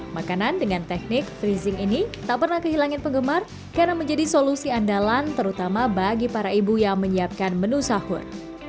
makanan dengan teknik freezing ini tak pernah kehilangan penggemar karena menjadi solusi andalan terutama bagi para ibu yang menyiapkan menu sahur